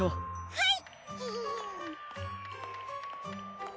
はい！